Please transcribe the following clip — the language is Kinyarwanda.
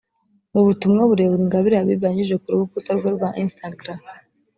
Mu butumwa burebure Ingabire Habibah yanyujije ku rukuta rwe rwa instagra